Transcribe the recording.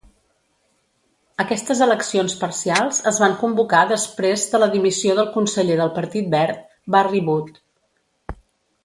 Aquestes eleccions parcials es van convocar després de la dimissió del conseller del Partit Verd, Barrie Wood.